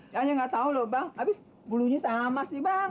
ya hanya nggak tahu loh bang abis bulunya sama sih bang